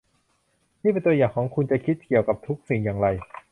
นี่เป็นตัวอย่างของ คุณจะคิดเกี่ยวกับทุกสิ่งอย่างไร